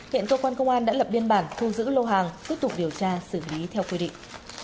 hiện cơ quan công an đã lập biên bản thu giữ lô hàng tiếp tục điều tra xử lý theo quy định